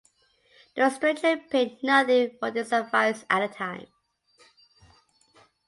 The stranger paid nothing for this advice at the time.